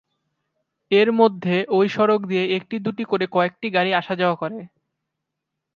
এর মধ্যে ওই সড়ক দিয়ে একটি দুটি করে কয়েকটি গাড়ি যাওয়া-আসা করে।